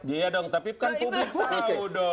iya dong tapi kan publik tahu dong